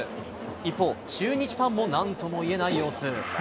一方、中日ファンもなんともいえない様子。